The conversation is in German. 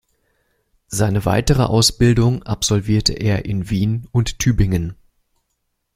Seine weitere Ausbildung absolvierte er in Wien und Tübingen.